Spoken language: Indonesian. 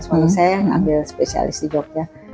soalnya saya yang spesialis di jogja